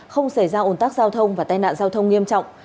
không xảy ra ồn tắc giao thông và tai nạn giao thông nghiêm trọng